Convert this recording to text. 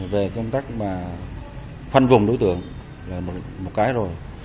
về công tác mà khoanh vùng đối tượng là một cái rồi